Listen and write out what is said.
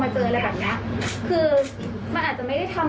มาเจออะไรแบบนี้คือไม่ได้ทำโดยตรงแต่ว่าถ้ามั่นสุด